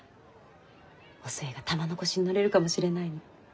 お寿恵が玉のこしに乗れるかもしれないの。